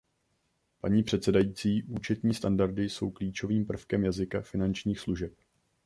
Paní předsedající, účetní standardy jsou klíčovým prvkem jazyka finančních služeb.